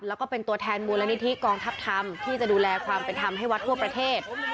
แล้วก็เป็นตัวแทนมูลนิธิกองทัพธรรมที่จะดูแลความเป็นธรรมให้วัดทั่วประเทศ